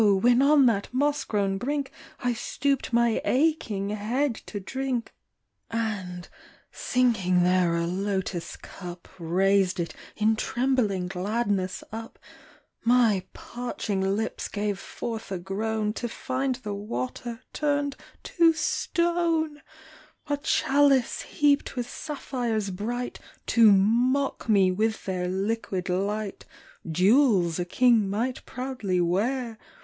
when on that moss grown brink I stooped my aching head to drink. 26 HASHEESH VISIOXS. And, sinking there a lotus cup, Eaised it in trembling gladness up, My parching lips gave forth a groan To find the water turned to stone I A chalice heaped with sapphires bright, To mock me with their liquid light. Jewels a king might proudly wear.